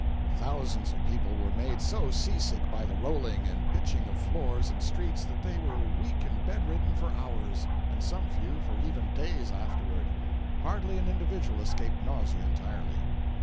Thousands of people were made so sea sick by the rolling and pitching of floors and streets that they were weak and bed ridden for hours, and some few for even days afterward.—Hardly an individual escaped nausea entirely.